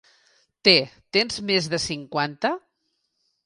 Té, tens més de cinquanta?